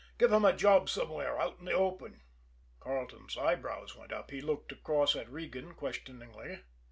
Give him a job somewhere out in the open." Carleton's eyebrows went up. He looked across at Regan questioningly.